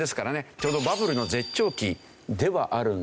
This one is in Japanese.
ちょうどバブルの絶頂期ではあるんですけど。